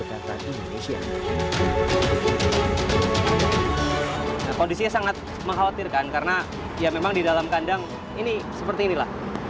kondisi ini sangat mengkhawatirkan karena memang di dalam kandang ini seperti inilah